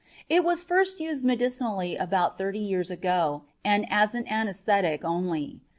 It was first used medicinally about thirty years ago, and as an anesthetic only.